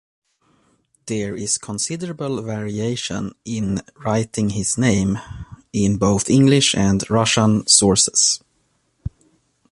There is considerable variation in writing his name in both English and Russian sources.